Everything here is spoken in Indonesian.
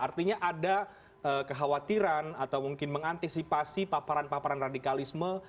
artinya ada kekhawatiran atau mungkin mengantisipasi paparan paparan radikalisme